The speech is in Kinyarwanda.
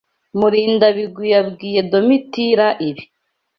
Murindabigwi yabwiye Domitira ibi.